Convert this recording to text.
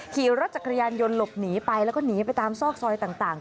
ขี่รถจักรยานยนต์หลบหนีไปแล้วก็หนีไปตามซอกซอยต่าง